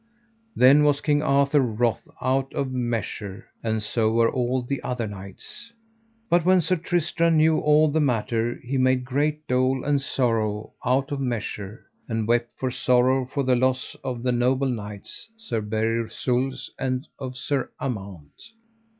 Then was King Arthur wroth out of measure, and so were all the other knights. But when Sir Tristram knew all the matter he made great dole and sorrow out of measure, and wept for sorrow for the loss of the noble knights, Sir Bersules and of Sir Amant.